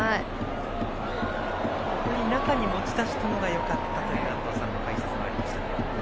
中に持ち出したのがよかったという安藤さんの解説もありました。